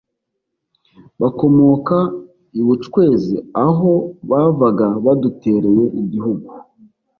Bakomoka I bucwezi aho bavaga badutereye igihugu